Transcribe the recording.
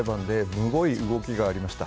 むごい動きがありました。